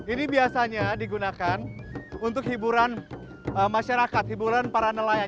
ini biasanya digunakan untuk hiburan masyarakat hiburan para nelayan